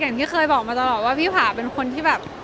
อย่างที่เคยบอกมาตลอดว่าพี่ผ่าเป็นคนที่แบบ